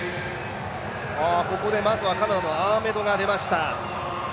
ここでまずはカナダのアーメドが出ました。